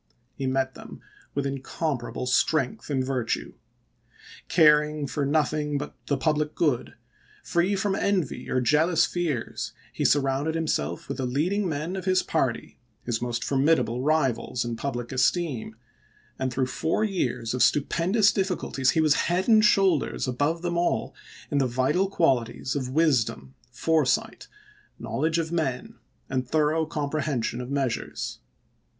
He met them with incomparable strength and virtue. Car ing for nothing but the public good, free from envy or jealous fears, he surrounded himself with the leading men of his party, his most formidable LINCOLN'S FAME 353 rivals in public esteem, and through four years of ch. xviii. stupendous difficulties he was head and shoulders above them all in the vital qualities of wisdom, foresight, knowledge of men, and thorough compre hension of measures.